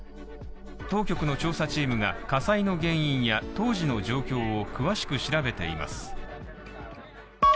当局の調査チームが火災の原因や当時の状況を詳しく調べています。